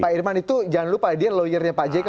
pak irman itu jangan lupa dia lawyernya pak jk